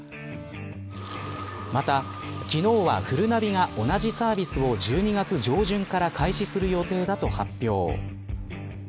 また昨日はふるなびが同じサービスを１２月上旬から開始する予定だと発表。